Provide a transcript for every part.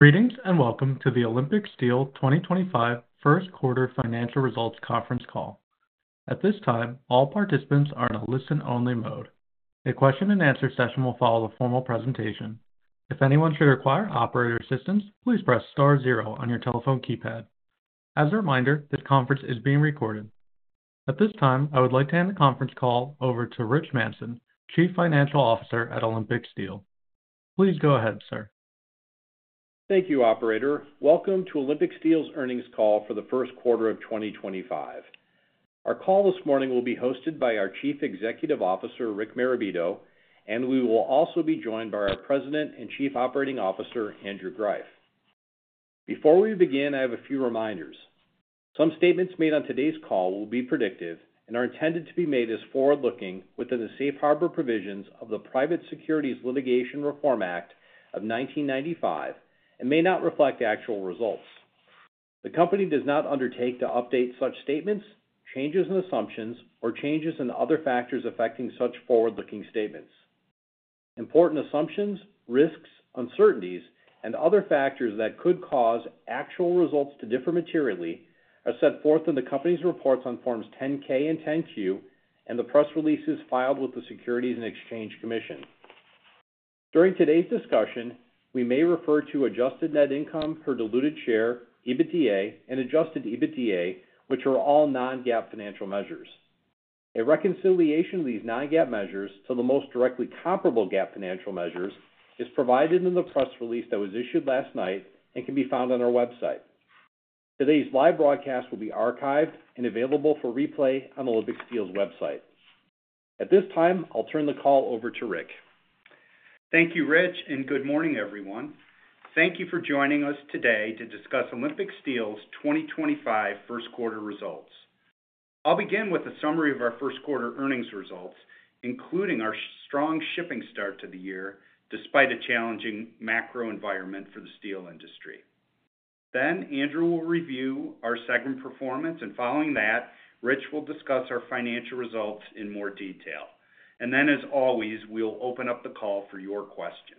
Greetings and welcome to the Olympic Steel 2025 First Quarter Financial Results Conference Call. At this time, all participants are in a listen-only mode. A question-and-answer session will follow the formal presentation. If anyone should require operator assistance, please press star zero on your telephone keypad. As a reminder, this conference is being recorded. At this time, I would like to hand the conference call over to Rich Manson, Chief Financial Officer at Olympic Steel. Please go ahead, sir. Thank you, operator. Welcome to Olympic Steel's earnings call for the first quarter of 2025. Our call this morning will be hosted by our Chief Executive Officer, Rick Marabito, and we will also be joined by our President and Chief Operating Officer, Andrew Greiff. Before we begin, I have a few reminders. Some statements made on today's call will be predictive and are intended to be made as forward-looking within the safe harbor provisions of the Private Securities Litigation Reform Act of 1995 and may not reflect actual results. The company does not undertake to update such statements, changes in assumptions, or changes in other factors affecting such forward-looking statements. Important assumptions, risks, uncertainties, and other factors that could cause actual results to differ materially are set forth in the company's reports on Forms 10-K and 10-Q and the press releases filed with the Securities and Exchange Commission. During today's discussion, we may refer to adjusted net income per diluted share, EBITDA, and adjusted EBITDA, which are all non-GAAP financial measures. A reconciliation of these non-GAAP measures to the most directly comparable GAAP financial measures is provided in the press release that was issued last night and can be found on our website. Today's live broadcast will be archived and available for replay on Olympic Steel's website. At this time, I'll turn the call over to Rick. Thank you, Rich, and good morning, everyone. Thank you for joining us today to discuss Olympic Steel's 2025 first quarter results. I'll begin with a summary of our first quarter earnings results, including our strong shipping start to the year despite a challenging macro environment for the steel industry. Then, Andrew will review our segment performance, and following that, Rich will discuss our financial results in more detail. As always, we'll open up the call for your questions.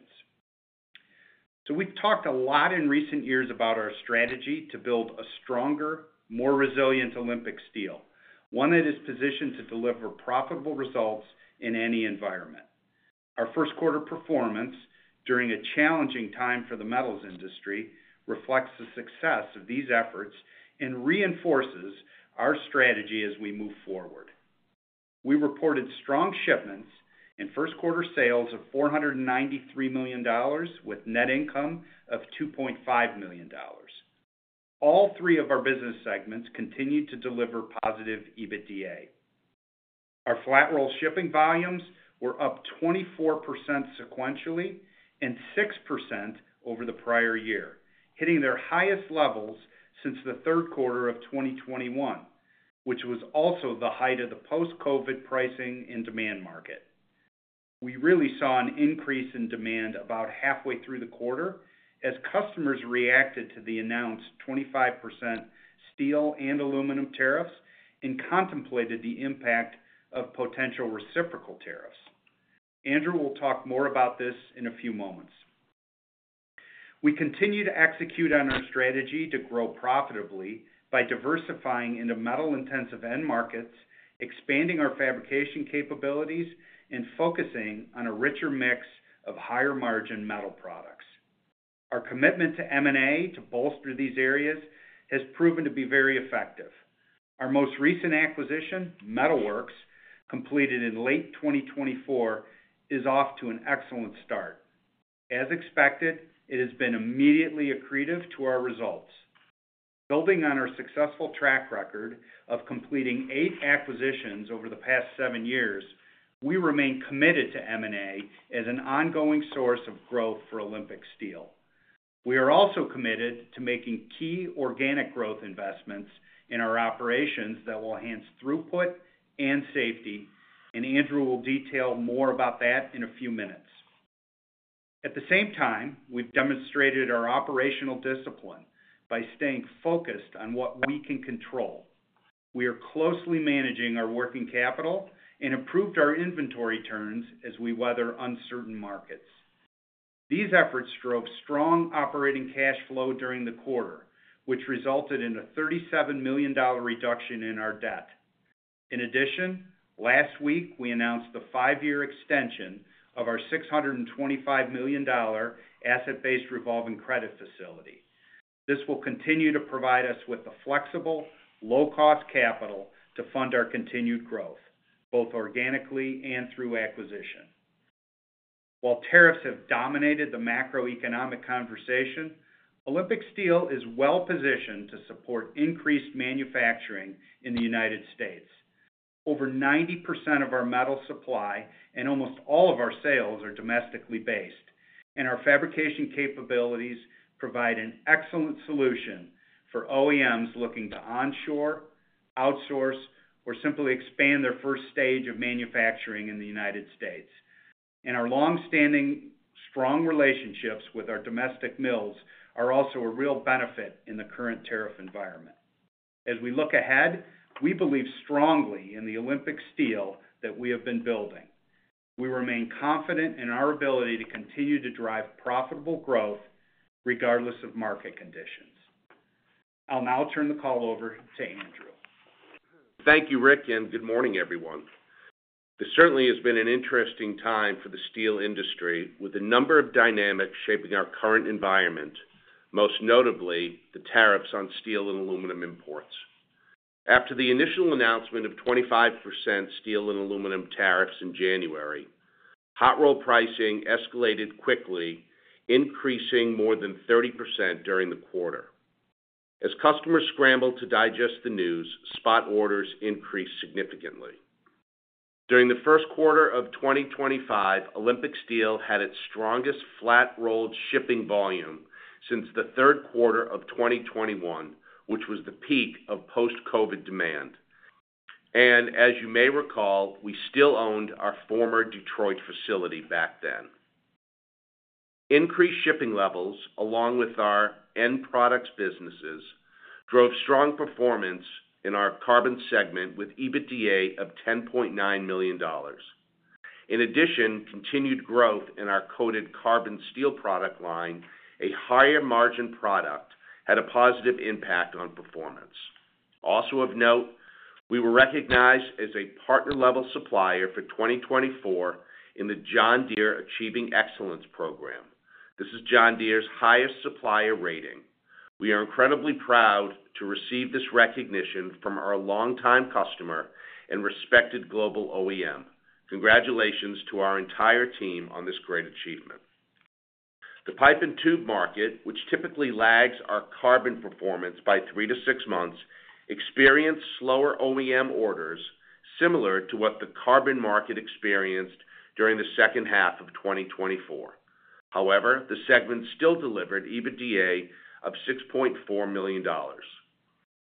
We have talked a lot in recent years about our strategy to build a stronger, more resilient Olympic Steel, one that is positioned to deliver profitable results in any environment. Our first quarter performance during a challenging time for the metals industry reflects the success of these efforts and reinforces our strategy as we move forward. We reported strong shipments and first quarter sales of $493 million with net income of $2.5 million. All three of our business segments continued to deliver positive EBITDA. Our flat-roll shipping volumes were up 24% sequentially and 6% over the prior year, hitting their highest levels since the third quarter of 2021, which was also the height of the post-COVID pricing and demand market. We really saw an increase in demand about halfway through the quarter as customers reacted to the announced 25% steel and aluminum tariffs and contemplated the impact of potential reciprocal tariffs. Andrew will talk more about this in a few moments. We continue to execute on our strategy to grow profitably by diversifying into metal-intensive end markets, expanding our fabrication capabilities, and focusing on a richer mix of higher margin metal products. Our commitment to M&A to bolster these areas has proven to be very effective. Our most recent acquisition, Metalworks, completed in late 2024, is off to an excellent start. As expected, it has been immediately accretive to our results. Building on our successful track record of completing eight acquisitions over the past seven years, we remain committed to M&A as an ongoing source of growth for Olympic Steel. We are also committed to making key organic growth investments in our operations that will enhance throughput and safety, and Andrew will detail more about that in a few minutes. At the same time, we've demonstrated our operational discipline by staying focused on what we can control. We are closely managing our working capital and improved our inventory turns as we weather uncertain markets. These efforts drove strong operating cash flow during the quarter, which resulted in a $37 million reduction in our debt. In addition, last week, we announced the five-year extension of our $625 million asset-based revolving credit facility. This will continue to provide us with the flexible, low-cost capital to fund our continued growth, both organically and through acquisition. While tariffs have dominated the macroeconomic conversation, Olympic Steel is well-positioned to support increased manufacturing in the United States. Over 90% of our metal supply and almost all of our sales are domestically based, and our fabrication capabilities provide an excellent solution for OEMs looking to onshore, outsource, or simply expand their first stage of manufacturing in the United States. Our long-standing, strong relationships with our domestic mills are also a real benefit in the current tariff environment. As we look ahead, we believe strongly in the Olympic Steel that we have been building. We remain confident in our ability to continue to drive profitable growth regardless of market conditions. I'll now turn the call over to Andrew. Thank you, Rick, and good morning, everyone. This certainly has been an interesting time for the steel industry, with a number of dynamics shaping our current environment, most notably the tariffs on steel and aluminum imports. After the initial announcement of 25% steel and aluminum tariffs in January, hot roll pricing escalated quickly, increasing more than 30% during the quarter. As customers scrambled to digest the news, spot orders increased significantly. During the first quarter of 2025, Olympic Steel had its strongest flat-rolled shipping volume since the third quarter of 2021, which was the peak of post-COVID demand. As you may recall, we still owned our former Detroit facility back then. Increased shipping levels, along with our end products businesses, drove strong performance in our carbon segment with EBITDA of $10.9 million. In addition, continued growth in our coated carbon steel product line, a higher margin product, had a positive impact on performance. Also of note, we were recognized as a partner-level supplier for 2024 in the John Deere Achieving Excellence Program. This is John Deere's highest supplier rating. We are incredibly proud to receive this recognition from our longtime customer and respected global OEM. Congratulations to our entire team on this great achievement. The pipe and tube market, which typically lags our carbon performance by three to six months, experienced slower OEM orders, similar to what the carbon market experienced during the second half of 2024. However, the segment still delivered EBITDA of $6.4 million.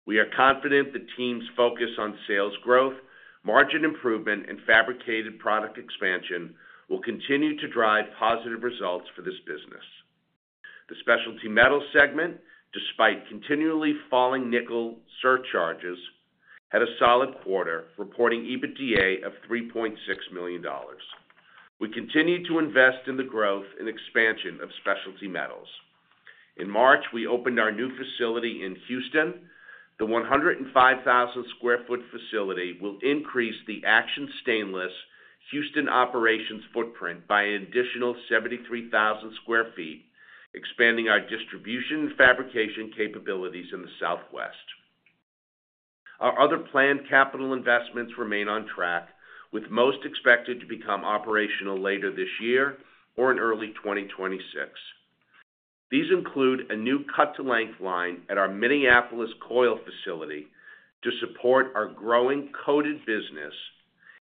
We are confident the team's focus on sales growth, margin improvement, and fabricated product expansion will continue to drive positive results for this business. The specialty metal segment, despite continually falling nickel surcharges, had a solid quarter, reporting EBITDA of $3.6 million. We continue to invest in the growth and expansion of specialty metals. In March, we opened our new facility in Houston. The 105,000 sq ft facility will increase the Action Stainless Houston operations footprint by an additional 73,000 sq ft, expanding our distribution and fabrication capabilities in the Southwest. Our other planned capital investments remain on track, with most expected to become operational later this year or in early 2026. These include a new cut-to-length line at our Minneapolis coil facility to support our growing coated business,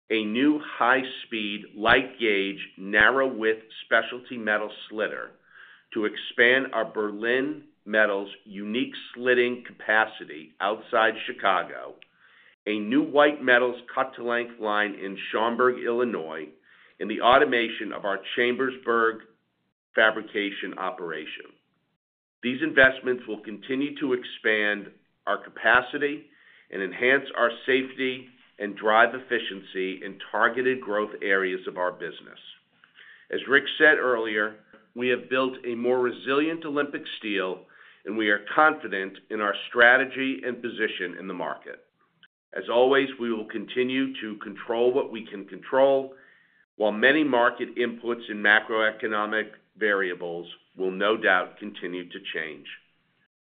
a new high-speed light-gauge narrow-width specialty metal slitter to expand our Berlin Metals' unique slitting capacity outside Chicago, a new white metals cut-to-length line in Schaumburg, Illinois, and the automation of our Chambersburg fabrication operation. These investments will continue to expand our capacity and enhance our safety and drive efficiency in targeted growth areas of our business. As Rick said earlier, we have built a more resilient Olympic Steel, and we are confident in our strategy and position in the market. As always, we will continue to control what we can control, while many market inputs and macroeconomic variables will no doubt continue to change.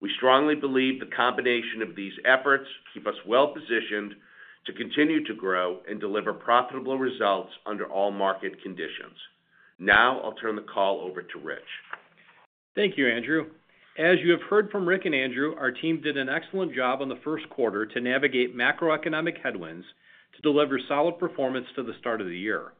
We strongly believe the combination of these efforts keeps us well-positioned to continue to grow and deliver profitable results under all market conditions. Now, I'll turn the call over to Rich. Thank you, Andrew. As you have heard from Rick and Andrew, our team did an excellent job on the first quarter to navigate macroeconomic headwinds to deliver solid performance to the start of the year.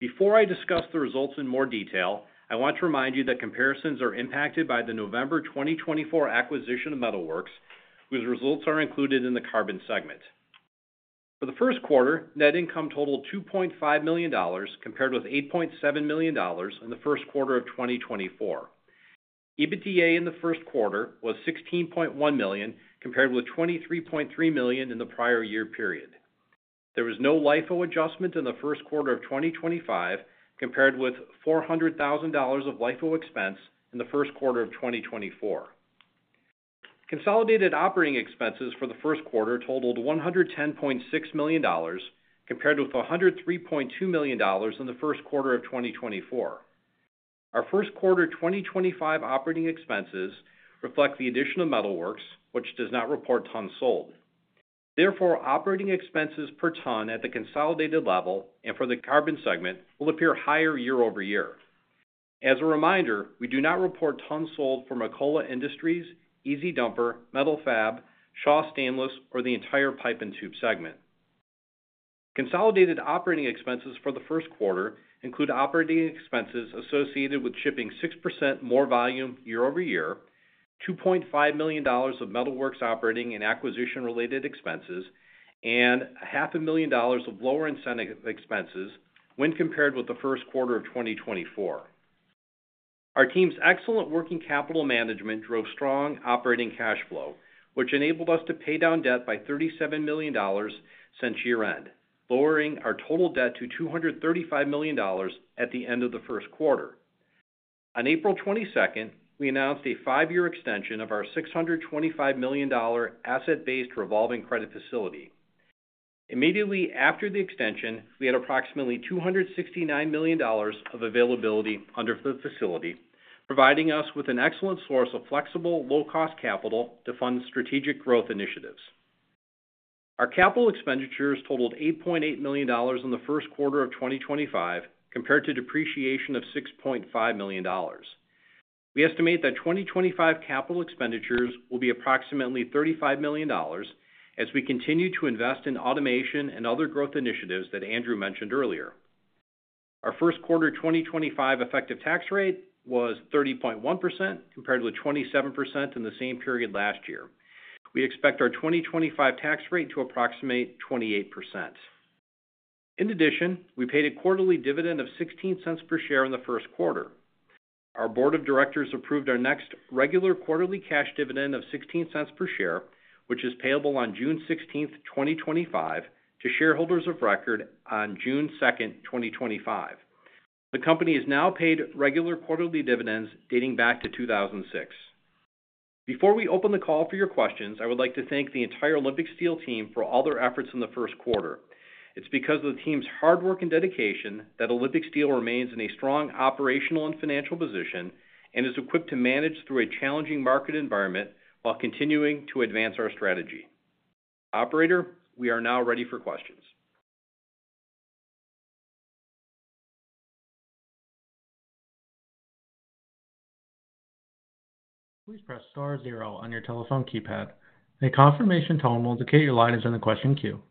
Before I discuss the results in more detail, I want to remind you that comparisons are impacted by the November 2024 acquisition of Metalworks, whose results are included in the carbon segment. For the first quarter, net income totaled $2.5 million compared with $8.7 million in the first quarter of 2024. EBITDA in the first quarter was $16.1 million compared with $23.3 million in the prior year period. There was no LIFO adjustment in the first quarter of 2025 compared with $400,000 of LIFO expense in the first quarter of 2024. Consolidated operating expenses for the first quarter totaled $110.6 million compared with $103.2 million in the first quarter of 2024. Our first quarter 2025 operating expenses reflect the addition of Metalworks, which does not report tons sold. Therefore, operating expenses per ton at the consolidated level and for the carbon segment will appear higher year over year. As a reminder, we do not report tons sold for McCullough Industries, Easy Dumper, Metal Fab, Shaw Stainless, or the entire pipe and tube segment. Consolidated operating expenses for the first quarter include operating expenses associated with shipping 6% more volume year over year, $2.5 million of Metalworks operating and acquisition-related expenses, and $500,000 of lower incentive expenses when compared with the first quarter of 2024. Our team's excellent working capital management drove strong operating cash flow, which enabled us to pay down debt by $37 million since year-end, lowering our total debt to $235 million at the end of the first quarter. On April 22nd, we announced a five-year extension of our $625 million asset-based revolving credit facility. Immediately after the extension, we had approximately $269 million of availability under the facility, providing us with an excellent source of flexible, low-cost capital to fund strategic growth initiatives. Our capital expenditures totaled $8.8 million in the first quarter of 2025 compared to depreciation of $6.5 million. We estimate that 2025 capital expenditures will be approximately $35 million as we continue to invest in automation and other growth initiatives that Andrew mentioned earlier. Our first quarter 2025 effective tax rate was 30.1% compared with 27% in the same period last year. We expect our 2025 tax rate to approximate 28%. In addition, we paid a quarterly dividend of $0.16 per share in the first quarter. Our board of directors approved our next regular quarterly cash dividend of $0.16 per share, which is payable on June 16th, 2025, to shareholders of record on June 2nd, 2025. The company has now paid regular quarterly dividends dating back to 2006. Before we open the call for your questions, I would like to thank the entire Olympic Steel team for all their efforts in the first quarter. It's because of the team's hard work and dedication that Olympic Steel remains in a strong operational and financial position and is equipped to manage through a challenging market environment while continuing to advance our strategy. Operator, we are now ready for questions. Please press star zero on your telephone keypad. A confirmation tone will indicate your line is in the question queue.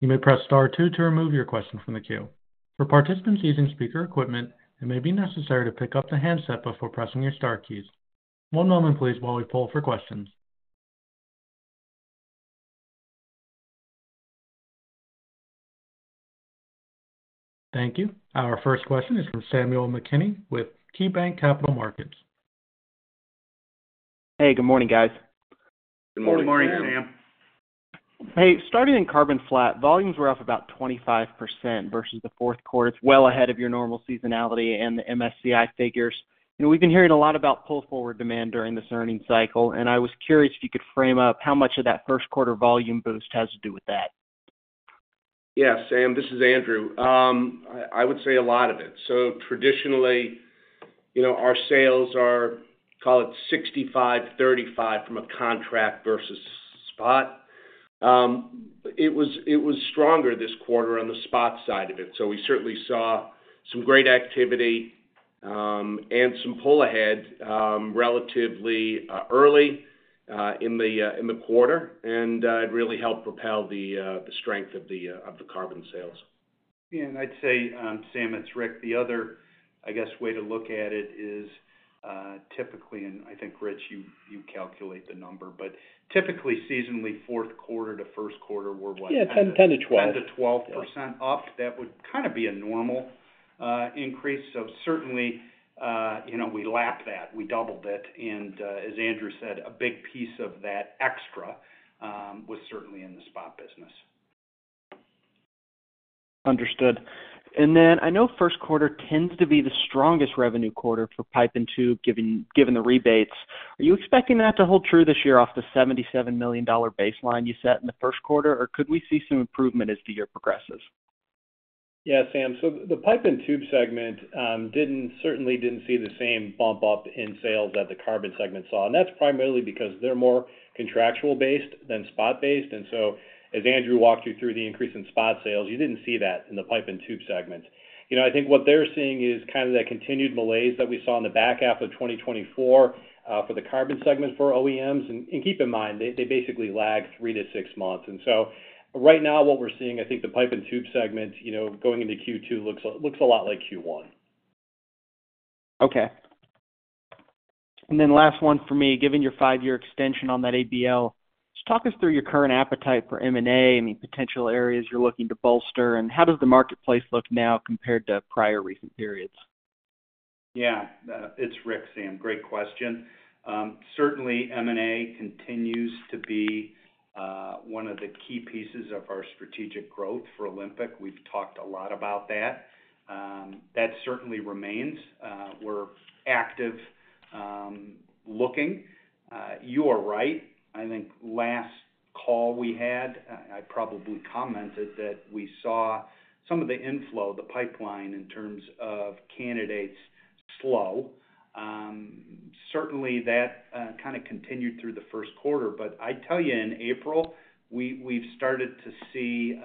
You may press star two to remove your question from the queue. For participants using speaker equipment, it may be necessary to pick up the handset before pressing your star keys. One moment, please, while we pull for questions. Thank you. Our first question is from Samuel McKinney with KeyBanc Capital Markets. Hey, good morning, guys. Good morning, Sam. Hey, starting in carbon flat, volumes were up about 25% versus the fourth quarter. It's well ahead of your normal seasonality and the MSCI figures. You know, we've been hearing a lot about pull forward demand during this earnings cycle, and I was curious if you could frame up how much of that first quarter volume boost has to do with that. Yeah, Sam, this is Andrew. I would say a lot of it. Traditionally, you know, our sales are, call it 65-35 from a contract versus spot. It was stronger this quarter on the spot side of it. We certainly saw some great activity and some pull ahead relatively early in the quarter, and it really helped propel the strength of the carbon sales. I'd say, Sam, it's Rick. The other, I guess, way to look at it is typically, and I think, Rich, you calculate the number, but typically seasonally, fourth quarter to first quarter were what? Yeah, 10-12. 10-12% up. That would kind of be a normal increase. Certainly, you know, we lapped that. We doubled it. And as Andrew said, a big piece of that extra was certainly in the spot business. Understood. I know first quarter tends to be the strongest revenue quarter for pipe and tube given the rebates. Are you expecting that to hold true this year off the $77 million baseline you set in the first quarter, or could we see some improvement as the year progresses? Yeah, Sam. The pipe and tube segment certainly didn't see the same bump up in sales that the carbon segment saw. That's primarily because they're more contractual-based than spot-based. As Andrew walked you through the increase in spot sales, you didn't see that in the pipe and tube segments. You know, I think what they're seeing is kind of that continued malaise that we saw in the back half of 2024 for the carbon segment for OEMs. Keep in mind, they basically lagged three to six months. Right now, what we're seeing, I think the pipe and tube segment, you know, going into Q2 looks a lot like Q1. Okay. Given your five-year extension on that ABL, just talk us through your current appetite for M&A and the potential areas you're looking to bolster, and how does the marketplace look now compared to prior recent periods? Yeah, it's Rick, Sam. Great question. Certainly, M&A continues to be one of the key pieces of our strategic growth for Olympic. We've talked a lot about that. That certainly remains. We're active looking. You are right. I think last call we had, I probably commented that we saw some of the inflow, the pipeline in terms of candidates slow. Certainly, that kind of continued through the first quarter. I tell you, in April, we've started to see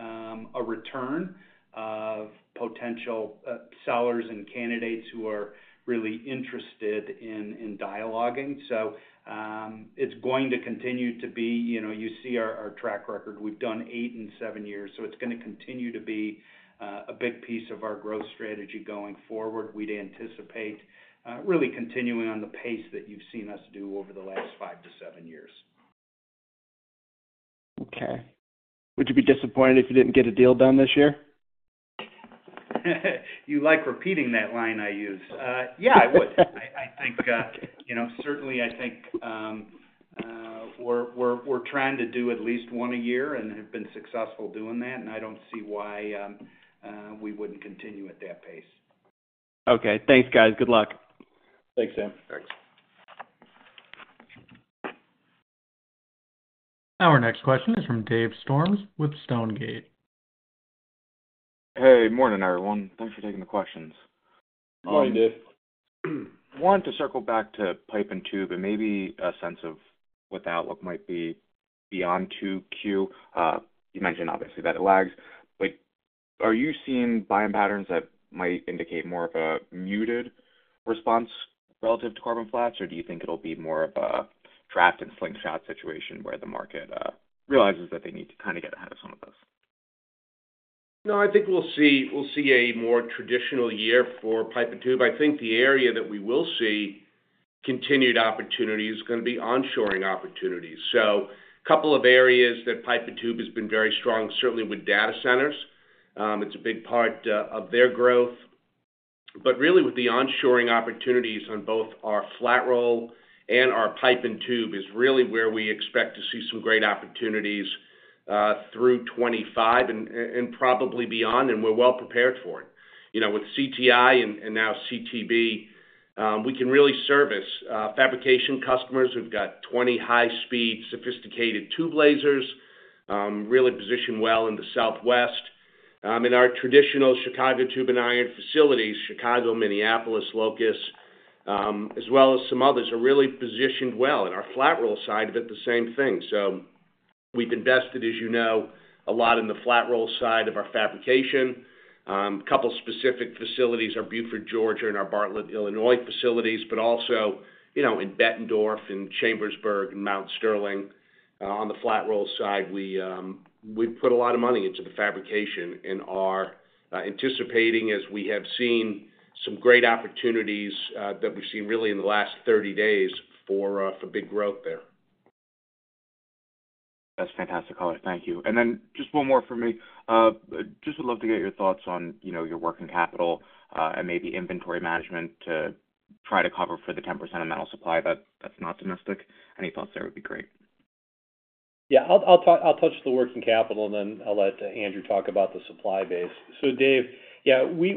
a return of potential sellers and candidates who are really interested in dialoguing. It's going to continue to be, you know, you see our track record. We've done eight in seven years. It's going to continue to be a big piece of our growth strategy going forward. We'd anticipate really continuing on the pace that you've seen us do over the last five to seven years. Okay. Would you be disappointed if you didn't get a deal done this year? You like repeating that line I use. Yeah, I would. I think, you know, certainly, I think we're trying to do at least one a year and have been successful doing that. I don't see why we wouldn't continue at that pace. Okay. Thanks, guys. Good luck. Thanks, Sam. Thanks. Our next question is from Dave Storms with Stonegate. Hey, morning, everyone. Thanks for taking the questions. Morning, Dave. I wanted to circle back to pipe and tube and maybe a sense of what the outlook might be beyond Q2. You mentioned, obviously, that it lags. Are you seeing buying patterns that might indicate more of a muted response relative to carbon flats, or do you think it'll be more of a draft and slingshot situation where the market realizes that they need to kind of get ahead of some of this? No, I think we'll see a more traditional year for pipe and tube. I think the area that we will see continued opportunity is going to be onshoring opportunities. A couple of areas that pipe and tube has been very strong, certainly with data centers. It's a big part of their growth. Really, with the onshoring opportunities on both our flat roll and our pipe and tube is really where we expect to see some great opportunities through 2025 and probably beyond. We're well prepared for it. You know, with CTI and now CTB, we can really service fabrication customers. We've got 20 high-speed sophisticated tube lasers, really positioned well in the Southwest. In our traditional Chicago Tube and Iron facilities, Chicago, Minneapolis, Lockport, as well as some others are really positioned well. On our flat roll side of it, the same thing. We have invested, as you know, a lot in the flat roll side of our fabrication. A couple of specific facilities, our Buford, Georgia, and our Bartlett, Illinois facilities, but also, you know, in Bettendorf and Chambersburg and Mount Sterling. On the flat roll side, we have put a lot of money into the fabrication and are anticipating, as we have seen, some great opportunities that we have seen really in the last 30 days for big growth there. That's fantastic, COLA. Thank you. Just one more from me. Just would love to get your thoughts on, you know, your working capital and maybe inventory management to try to cover for the 10% amount of supply that's not domestic. Any thoughts there would be great. Yeah, I'll touch the working capital, and then I'll let Andrew talk about the supply base. Dave, yeah, we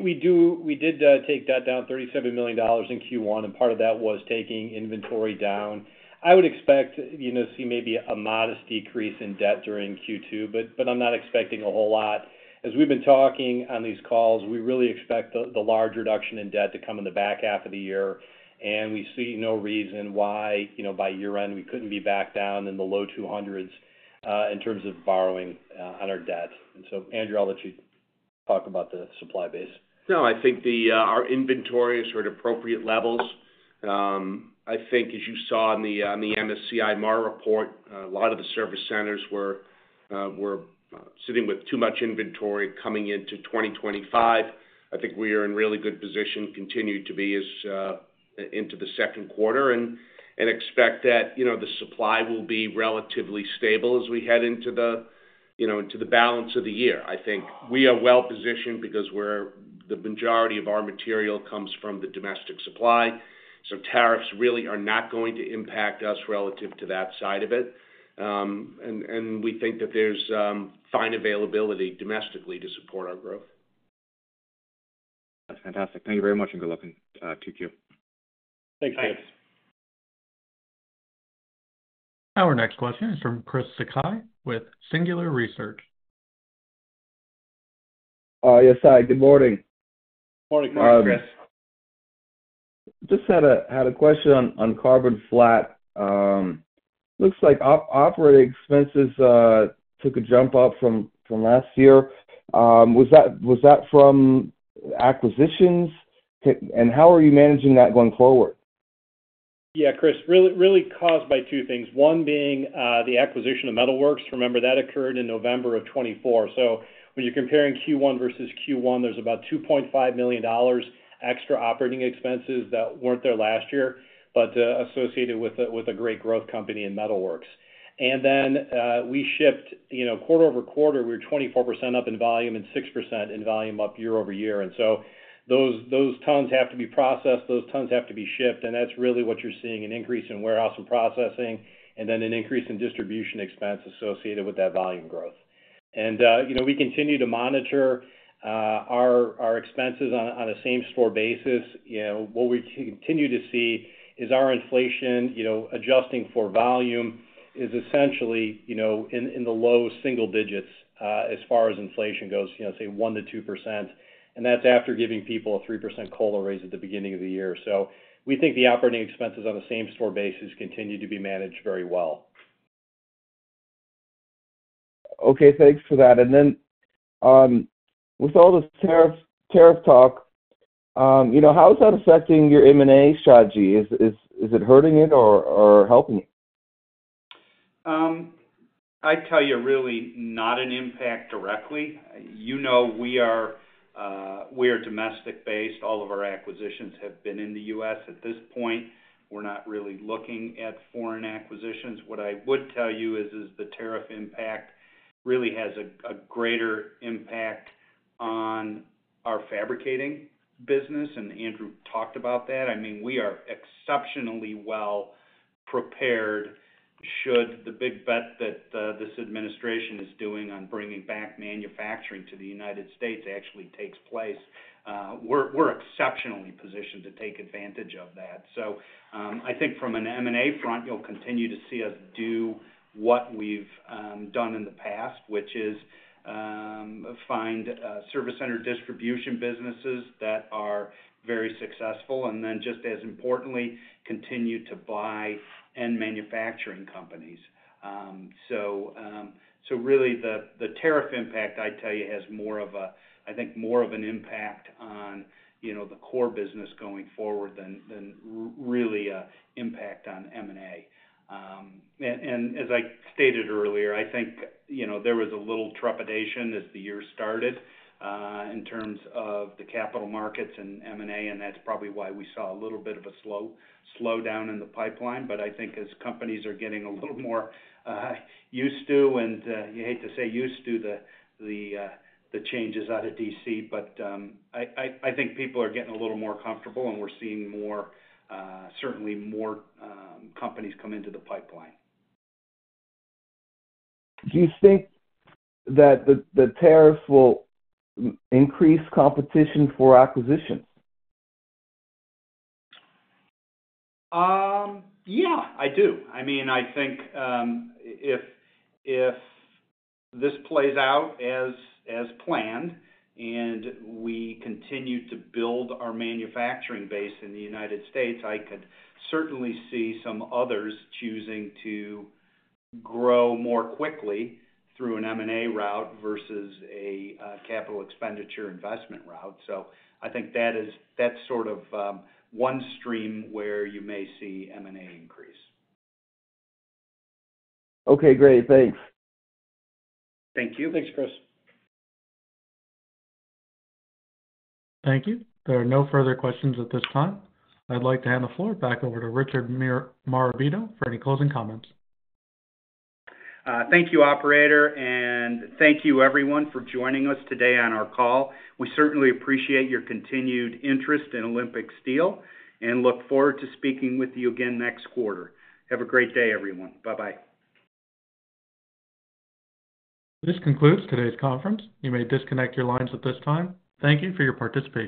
did take that down $37 million in Q1, and part of that was taking inventory down. I would expect, you know, to see maybe a modest decrease in debt during Q2, but I'm not expecting a whole lot. As we've been talking on these calls, we really expect the large reduction in debt to come in the back half of the year. We see no reason why, you know, by year-end, we couldn't be back down in the low 200s in terms of borrowing on our debt. Andrew, I'll let you talk about the supply base. No, I think our inventory is sort of appropriate levels. I think, as you saw in the MSCI Mar report, a lot of the service centers were sitting with too much inventory coming into 2025. I think we are in really good position, continue to be into the second quarter, and expect that, you know, the supply will be relatively stable as we head into the, you know, into the balance of the year. I think we are well positioned because the majority of our material comes from the domestic supply. Tariffs really are not going to impact us relative to that side of it. We think that there's fine availability domestically to support our growth. That's fantastic. Thank you very much, and good luck in Q2. Thanks, Dave. Our next question is from Chris Sakai with Singular Research. Yes, hi. Good morning. Morning, Chris. Just had a question on carbon flat. Looks like operating expenses took a jump up from last year. Was that from acquisitions? How are you managing that going forward? Yeah, Chris, really caused by two things. One being the acquisition of Metalworks. Remember, that occurred in November of 2024. When you're comparing Q1 versus Q1, there's about $2.5 million extra operating expenses that weren't there last year, but associated with a great growth company in Metalworks. We shipped, you know, quarter over quarter, we were 24% up in volume and 6% in volume up year over year. Those tons have to be processed, those tons have to be shipped. That's really what you're seeing: an increase in warehouse and processing, and then an increase in distribution expense associated with that volume growth. You know, we continue to monitor our expenses on a same-store basis. You know, what we continue to see is our inflation, you know, adjusting for volume is essentially, you know, in the low single digits as far as inflation goes, you know, say 1-2%. And that's after giving people a 3% COLA raise at the beginning of the year. So we think the operating expenses on a same-store basis continue to be managed very well. Okay, thanks for that. With all this tariff talk, you know, how is that affecting your M&A strategy? Is it hurting it or helping it? I'd tell you really not an impact directly. You know, we are domestic-based. All of our acquisitions have been in the U.S. at this point. We're not really looking at foreign acquisitions. What I would tell you is the tariff impact really has a greater impact on our fabricating business. And Andrew talked about that. I mean, we are exceptionally well prepared should the big bet that this administration is doing on bringing back manufacturing to the United States actually take place. We're exceptionally positioned to take advantage of that. I think from an M&A front, you'll continue to see us do what we've done in the past, which is find service center distribution businesses that are very successful, and then just as importantly, continue to buy end manufacturing companies. Really, the tariff impact, I'd tell you, has more of a, I think, more of an impact on, you know, the core business going forward than really an impact on M&A. As I stated earlier, I think, you know, there was a little trepidation as the year started in terms of the capital markets and M&A, and that's probably why we saw a little bit of a slow down in the pipeline. I think as companies are getting a little more used to, and you hate to say used to the changes out of D.C., but I think people are getting a little more comfortable, and we're seeing certainly more companies come into the pipeline. Do you think that the tariffs will increase competition for acquisition? Yeah, I do. I mean, I think if this plays out as planned and we continue to build our manufacturing base in the United States, I could certainly see some others choosing to grow more quickly through an M&A route versus a capital expenditure investment route. I think that's sort of one stream where you may see M&A increase. Okay, great. Thanks. Thank you. Thanks, Chris. Thank you. There are no further questions at this time. I'd like to hand the floor back over to Richard Marabito for any closing comments. Thank you, operator, and thank you, everyone, for joining us today on our call. We certainly appreciate your continued interest in Olympic Steel and look forward to speaking with you again next quarter. Have a great day, everyone. Bye-bye. This concludes today's conference. You may disconnect your lines at this time. Thank you for your participation.